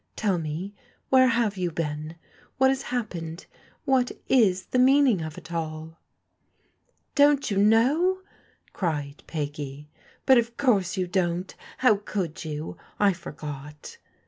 Tell me, where have you been? What has happened? What is the meaning of it all ?"" Don't you know ?" cried Peggy. " But of course you don't ;— ^how could you ? I forgot